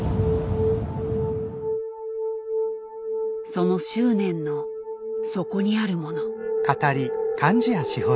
その執念の底にあるもの。